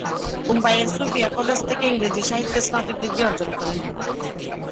মুম্বাইয়ের Sophia college থেকে ইংরেজি সাহিত্যে স্নাতক ডিগ্রি অর্জন করেন।